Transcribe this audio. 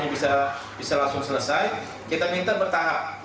ini bisa langsung selesai kita minta bertahap